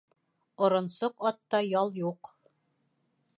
Оронсоҡ атта ял юҡ.